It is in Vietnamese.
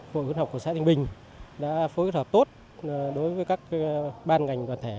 hội viên học của xã thanh bình đã phối hợp tốt đối với các ban ngành toàn thể